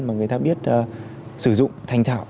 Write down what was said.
mà người ta biết sử dụng thành thảo